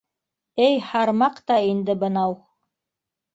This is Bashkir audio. — Эй һармаҡ та инде бынау!